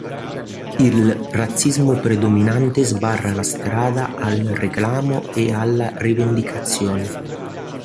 Il razzismo predominante sbarra la strada al reclamo e alla rivendicazione.